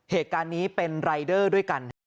เหตุการณ์นี้เป็นรายเดอร์ด้วยกันฮะ